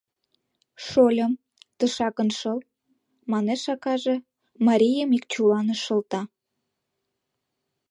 — Шольым, тышакын шыл, — манеш акаже, марийым ик чуланыш шылта.